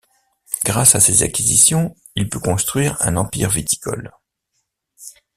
Grâce à ces acquisitions il put construire un empire viticole.